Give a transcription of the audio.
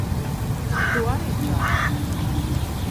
Tu arī, čom.